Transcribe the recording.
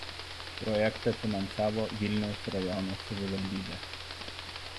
Projektą finansavo Vilniaus rajono savivaldybė.